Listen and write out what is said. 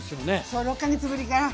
そう６か月ぶりかな。